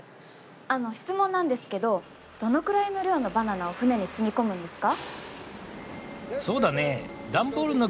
あの質問なんですけどどのくらいの量のバナナを船に積み込むんですか？